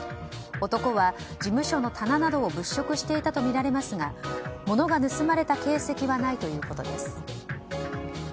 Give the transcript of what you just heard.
男は事務所の棚などを物色していたとみられますが物が盗まれた形跡はないということです。